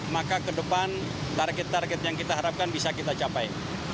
maka ke depan target target yang kita harapkan bisa kita capai